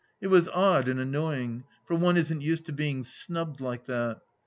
It was odd and annoying, for one isn't used to being snubbed like that.